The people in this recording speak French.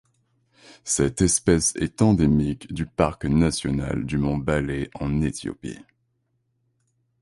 Cette espèce est endémique du parc national du Mont Balé en Éthiopie.